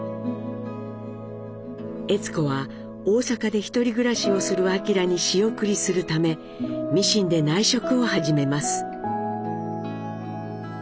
悦子は大阪でひとり暮らしをする明に仕送りするためミシンで内職を始めます。